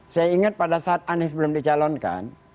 saya ingat pada saat anies belum dicalonkan